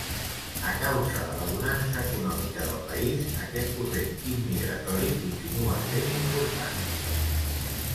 A causa de la bonança econòmica del país, aquest corrent immigratori continua sent important.